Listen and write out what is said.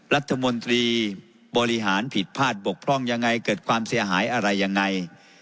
รัฐมนตรีบริหารผิดพลาดบกพร่องยังไงเกิดความเสียหายอะไรยังไง